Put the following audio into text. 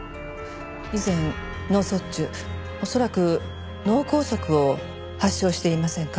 以前脳卒中恐らく脳梗塞を発症していませんか？